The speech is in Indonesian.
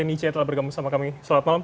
ica telah bergabung sama kami selama malam